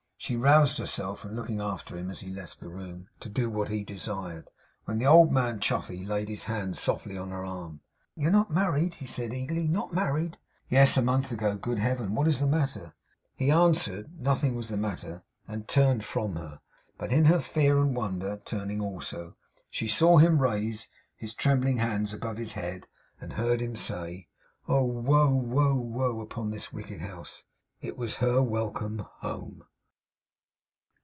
She roused herself from looking after him as he left the room, to do what he had desired; when the old man Chuffey laid his hand softly on her arm. 'You are not married?' he said eagerly. 'Not married?' 'Yes. A month ago. Good Heaven, what is the matter?' He answered nothing was the matter; and turned from her. But in her fear and wonder, turning also, she saw him raise his trembling hands above his head, and heard him say: 'Oh! woe, woe, woe, upon this wicked house!' It was her welcome HOME.